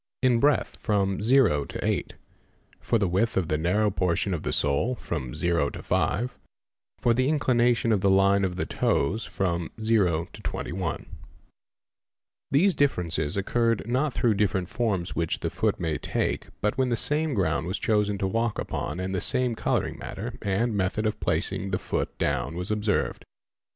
In breadth from EEE pik tok ry For the width of the narrow Her iteyy ee aki portion of the sole from 4 For the inclination of the line ) 0 to 21 '3 of the toes from |) These differences occurred not through different forms which the foot may take but when the same ground was chosen to walk upon and the same colouring matter and method of placing the foot down was observed.